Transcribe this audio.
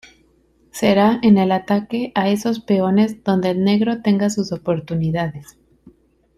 Será en el ataque a esos peones donde el negro tenga sus oportunidades.